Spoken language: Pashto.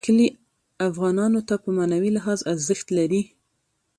کلي افغانانو ته په معنوي لحاظ ارزښت لري.